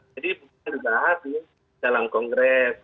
jadi bukan dibahas di dalam kongres